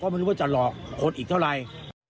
ไม่รู้ว่าจะหลอกคนอีกเท่าไหร่